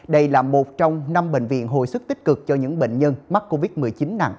đây là một trong năm bệnh viện hồi sức tích cực cho những bệnh nhân mắc covid một mươi chín nặng